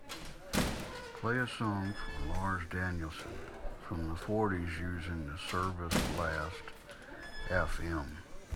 Play a song from Lars Danielsson from the fourties using the service Last Fm